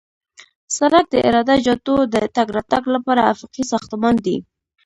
سړک د عراده جاتو د تګ راتګ لپاره افقي ساختمان دی